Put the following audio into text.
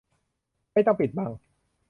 ไม่ต้องปิดบัง